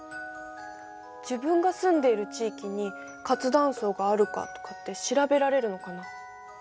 自分が住んでいる地域に活断層があるかとかって調べられるのかな？